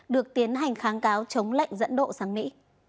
được tiến hành kháng cáo chống lệnh dẫn độ sang mỹ